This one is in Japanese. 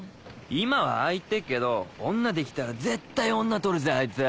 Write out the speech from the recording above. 今はああ言ってっけど女できたら絶対女取るぜあいつ。